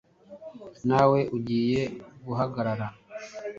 Nawe ugiye guhagarara